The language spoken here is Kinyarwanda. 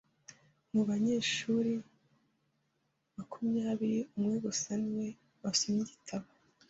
Mu banyeshuri makumyabiri, umwe gusa ni we wasomye igitabo .